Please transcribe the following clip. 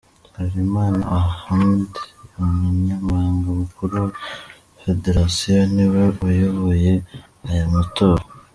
Harerimana Ahmed Umunyamabanga mukuru wa Federasiyo Niwe wayoboye aya Matora.